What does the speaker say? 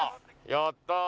やったー！